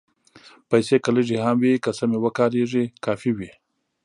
پېسې که لږې هم وي، که سمې وکارېږي، کافي وي.